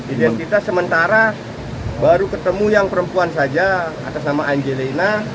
identitas sementara baru ketemu yang perempuan saja atas nama angelina